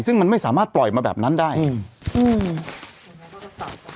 ซึ่งมันไม่สามารถปล่อยมาแบบนั้นได้อืม